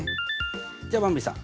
じゃあばんびさん。